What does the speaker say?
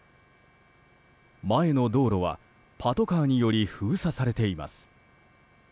前の道路は、パトカーにより封鎖されています。